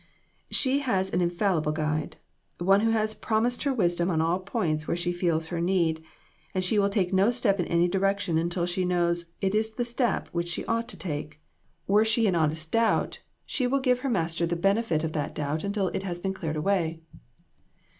" She has an infallible guide ; One who has promised her wisdom on all points where she feels her need ; and she will take no step in any direc tion until she knows it is the step which she ought to take. Where she is in honest doubt she INTRICACIES. 287 will give her Master the benefit of that doubt until he has cleared it away."